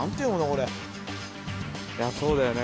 これそうだよね